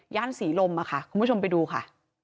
ย่านศรีรมมาค่ะคุณผู้ชมไปดูค่ะ